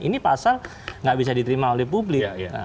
ini pasal nggak bisa diterima oleh publik